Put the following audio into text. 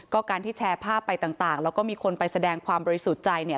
ก็การที่แชร์ภาพไปต่างแล้วก็มีคนไปแสดงความบริสุทธิ์ใจเนี่ย